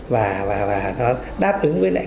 và nó đáp ứng với lại